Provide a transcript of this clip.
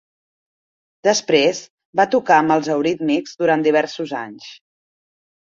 Després va tocar amb els Eurythmics durant diversos anys.